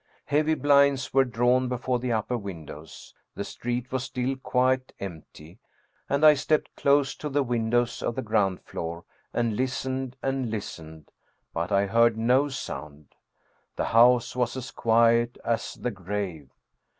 Heavy blinds were drawn before the upper win dows. The street was still quite empty, and I stepped close to the windows of the ground floor and listened and lis tened; but I heard no sound. The house was as quiet as the grave.